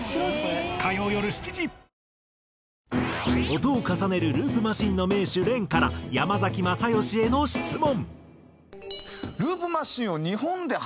音を重ねるループマシンの名手ＲｅＮから山崎まさよしへの質問。